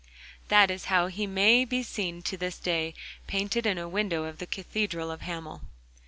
That is how he may be seen to this day, painted on a window of the cathedral of Hamel.